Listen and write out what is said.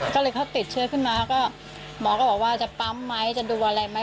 ก็เลยเขาติดเชื้อขึ้นมาก็หมอก็บอกว่าจะปั๊มไหมจะดูอะไรไหม